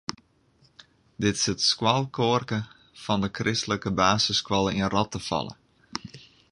Dit is it skoalkoarke fan de kristlike basisskoalle yn Rottefalle.